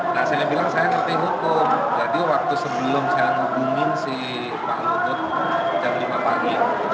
nah saya bilang saya ngerti hukum jadi waktu sebelum saya ngehubungin si pak luhut jam lima pagi